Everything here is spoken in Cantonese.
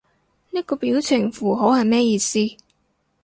呢個表情符號係咩意思？